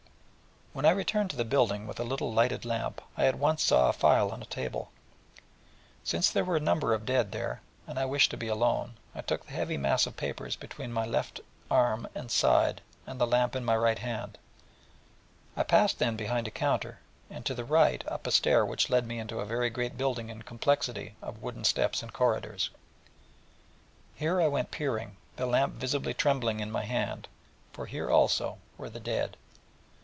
When I returned to the building with a little lighted lamp, I at once saw a file on a table, and since there were a number of dead there, and I wished to be alone, I took the heavy mass of paper between my left arm and side, and the lamp in my right hand; passed then behind a counter; and then, to the right, up a stair which led me into a very great building and complexity of wooden steps and corridors, where I went peering, the lamp visibly trembling in my hand, for here also were the dead.